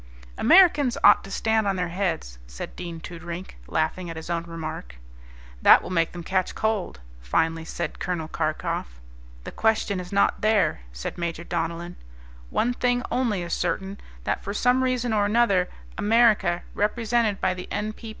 "Americans ought to stand on their heads," said Dean Toodrink, laughing at his own remark. "That will make them catch cold," finally said Col. Karkof. "The question is not there," said Major Donellan. "One thing only is certain, that for some reason or another America, represented by the N.